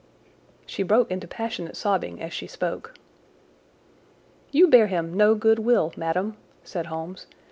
She broke into passionate sobbing as she spoke. "You bear him no good will, madam," said Holmes.